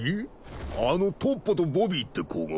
あのトッポとボビーって子が？